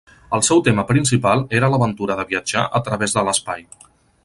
El seu tema principal era l'aventura de viatjar a través de l'espai.